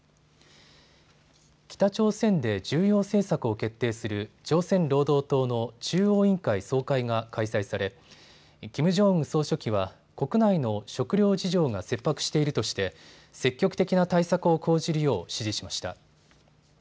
北朝鮮で重要政策を決定する朝鮮労働党の中央委員会総会が開催されキム・ジョンウン総書記は国内の食糧事情が切迫しているとして積極的な対策を講じるよう指示しました。